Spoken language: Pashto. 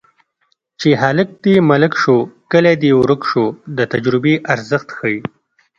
چې هلک دې ملک شو کلی دې ورک شو د تجربې ارزښت ښيي